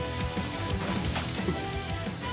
フッ。